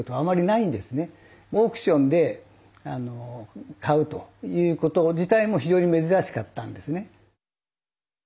オークションで買うということ自体も非常に珍しかったんですね。